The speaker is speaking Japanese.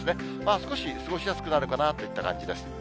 少し過ごしやすくなるかなといった感じです。